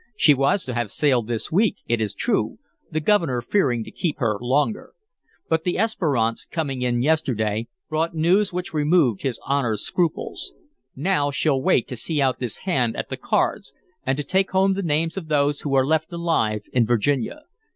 "She was to have sailed this week, it is true, the Governor fearing to keep her longer. But the Esperance, coming in yesterday, brought news which removed his Honor's scruples. Now she'll wait to see out this hand at the cards, and to take home the names of those who are left alive in Virginia.